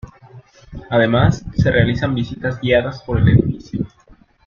Además, se realizan visitas guiadas por el edificio.